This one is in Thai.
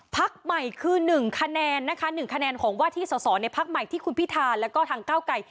พักใหม่คือหนึ่งคะแนนนะคะหนึ่งคะแนนของวาทิศสอนในพักใหม่ที่คุณพิธาและก็ทางเก้าไกล